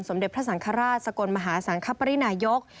เด็จพระสังฆราชสกลมหาสังคปรินายก